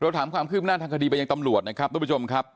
ถามความคืบหน้าทางคดีไปยังตำรวจนะครับทุกผู้ชมครับ